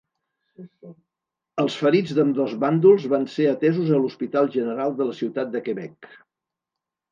Els ferits d'ambdós bàndols van ser atesos a l'Hospital General de la Ciutat de Quebec.